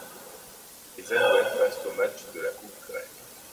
Les Alouettes passent au match de la coupe Grey.